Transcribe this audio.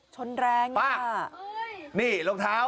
ชนแรงนี่ป่ะนี่รองเท้า